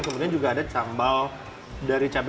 kemudian juga ada sambal dari cabai